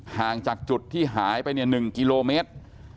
ห่างจากจุดที่หายไป๑กิโลเมตร